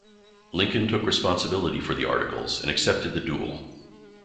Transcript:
Lincoln took responsibility for the articles and accepted the duel.